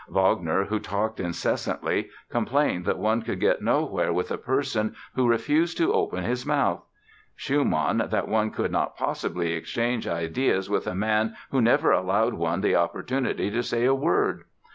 Wagner, who talked incessantly, complained that one could get nowhere with a person who refused to open his mouth; Schumann, that one could not possibly exchange ideas with a man who never allowed one the opportunity to say a word.